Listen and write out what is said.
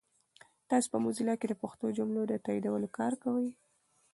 تاسو په موزیلا کې د پښتو جملو د تایدولو کار کوئ؟